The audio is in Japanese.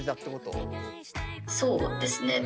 そうですね。